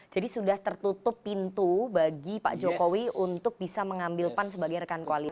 jadi sudah tertutup pintu bagi pak jokowi untuk bisa mengambil pan sebagai rekan koalisi